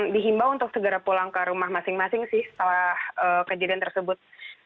dihimbau untuk segera pulang ke rumah masing masing sih setelah kejadian tersebut